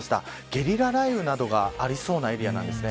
ゲリラ雷雨などがありそうなエリアです。